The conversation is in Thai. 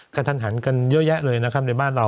กระทันหันกันเยอะแยะเลยนะครับในบ้านเรา